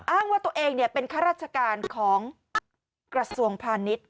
อ้างว่าตัวเองเป็นข้าราชการของกระทรวงพาณิชย์